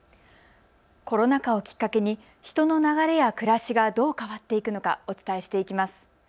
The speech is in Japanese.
コロナ禍をきっかけに人の流れや暮らしがどう変わっていくのかお伝えしていきます。